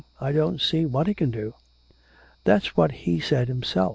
I don't see what he can do.' 'That's what he said himself.